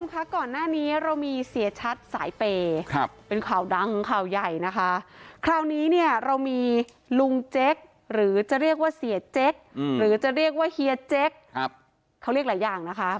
ค่ะก่อนหน้านี้เรามีเสียชัดสายเปย์ครับเป็นข่าวดังข่าวใหญ่นะคะคราวนี้เนี่ยเรามีลุงเจ๊กหรือจะเรียกว่าเสียเจ๊กหรือจะเรียกว่าเฮียเจ๊กเขาเรียกหลายอย่างนะคะ